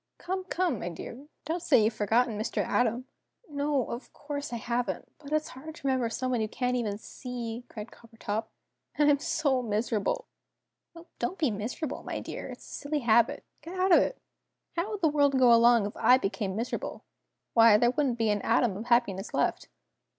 Come, come, my dear! Don't say you've forgotten Mr. A. Tom." "No, of course I haven't. But it's hard to remember someone you can't even see," cried Coppertop. "And I'm so miserable!" "Oh, don't be miserable, my dear. It's a silly habit! Get out of it. How would the world go along if I became miserable? Why there wouldn't be an atom of happiness left!"